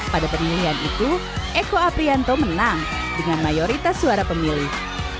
pada pemilihan itu eko aprianto menang dengan mayoritas suara pemilih